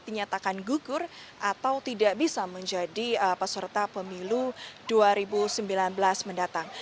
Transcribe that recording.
dinyatakan gugur atau tidak bisa menjadi peserta pemilu dua ribu sembilan belas mendatang